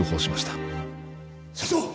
社長！